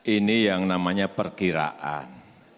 ini yang namanya perkiraan